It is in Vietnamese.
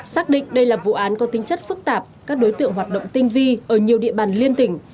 xác định đây là vụ án có tính chất phức tạp các đối tượng hoạt động tinh vi ở nhiều địa bàn liên tỉnh